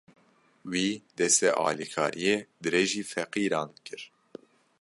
Wî, destê alîkariyê dirêjî feqîran kir.